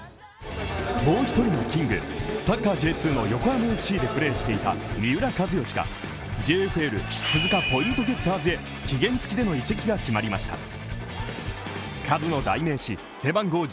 もう１人のキング、サッカーＪ２の横浜ＦＣでプレーしていた三浦知良が、ＪＦＬ鈴鹿ポイントゲッターズへ期限付きでの移籍が決まりました。